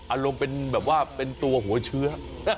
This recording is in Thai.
อารมณ์เป็นแบบว่าเป็นตัวหัวเชื้อ